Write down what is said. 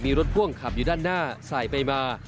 มีรถพ่วงขับอยู่ด้านหน้าสายไปมา